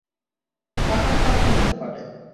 টাকা সব কিনতে পারে।